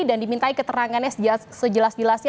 dan dimintai keterangannya sejelas jelasnya